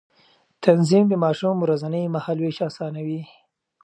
تنظيم د ماشوم ورځنی مهالوېش آسانوي.